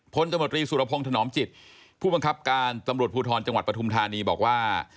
ตมตรีสุรพงศ์ถนอมจิตผู้บังคับการตำรวจภูทรจังหวัดปฐุมธานีบอกว่า